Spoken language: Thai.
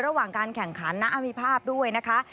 ระหว่างการแข่งขันนะอภิภาพด้วยนะคะ